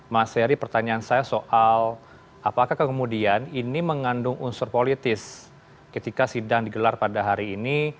mas heri pertanyaan saya soal apakah kemudian ini mengandung unsur politis ketika sidang digelar pada hari ini